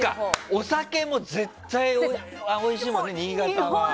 お酒もおいしいもんね、新潟は。